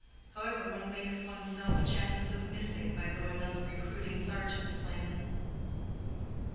However, one makes one's self chances of missing by going on the recruiting sergeant's plan."